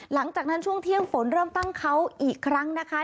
หลังจากนั้นช่วงเที่ยงฝนเริ่มตั้งเขาอีกครั้งนะคะ